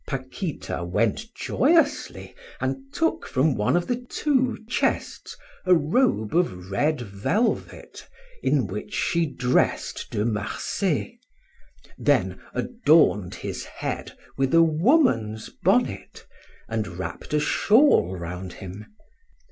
Paquita went joyously and took from one of the two chests a robe of red velvet, in which she dressed De Marsay, then adorned his head with a woman's bonnet and wrapped a shawl round him.